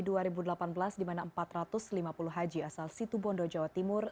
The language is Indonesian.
di mana empat ratus lima puluh haji asal situbondo jawa timur